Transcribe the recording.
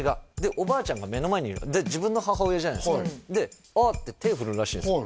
おばあちゃんが目の前にいる自分の母親じゃないですかで「あっ」って手振るらしいんですよ